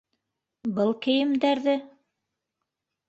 Был кейемдәрҙе?!